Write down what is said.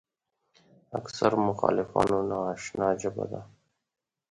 اکثرو مخالفانو ناآشنا ژبه ده.